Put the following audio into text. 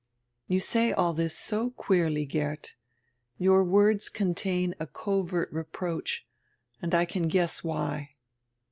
"You say all diis so queerly, Geert. Your words con tain a covert reproach, and I can guess why."